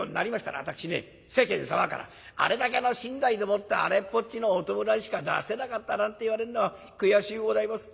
私ね世間様からあれだけの身代でもってあれっぽっちのお葬式しか出せなかったなんて言われるのは悔しゅうございます。